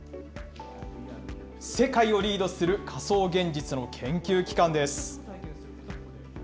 世界をリードする仮想現実の研究機関です。